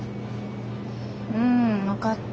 うん分かった。